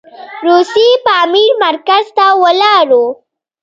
روسي پامیر مرکز ته ولاړو.